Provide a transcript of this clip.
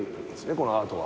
このアートは。